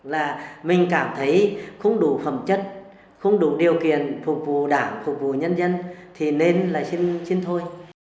là mình cảm thấy không đủ phẩm chất không đủ điều kiện phục vụ đảng phục vụ nhân dân thì nên là xin trên thôi